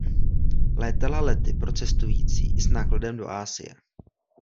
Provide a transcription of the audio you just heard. Létala lety pro cestující i s nákladem do Asie.